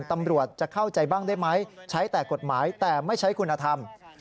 ตำรวจจะเข้าใจบ้างได้ไหมใช้แต่กฎหมายแต่ไม่ใช้คุณธรรม